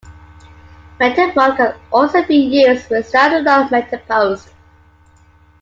Metafun can also be used with stand alone MetaPost.